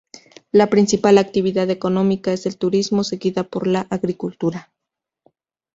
La principal actividad económica es el turismo, seguida por la agricultura.